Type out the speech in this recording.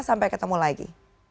sampai ketemu lagi